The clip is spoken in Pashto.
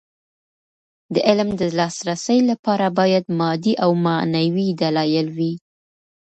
د علم د لاسرسي لپاره باید مادي او معنوي دلايل وي.